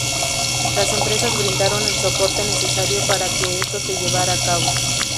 Las empresas brindaron el soporte necesario para que esto se llevara a cabo.